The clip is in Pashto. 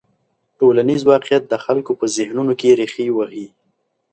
ټولنیز واقیعت د خلکو په ذهنونو کې رېښې وهي.